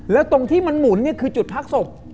แล้วตรงที่มันหมุนเนี่ยคือจุดพักศพ